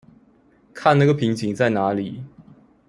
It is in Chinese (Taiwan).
看那個瓶頸在哪裡